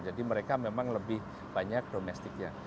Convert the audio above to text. jadi mereka memang lebih banyak domestiknya